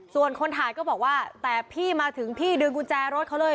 ส่วนคนถ่ายก็บอกว่าแต่พี่มาถึงพี่ดึงกุญแจรถเขาเลย